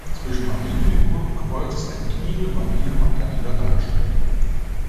Zwischen Marienfigur und Kreuz ist eine kniende Maria Magdalena dargestellt.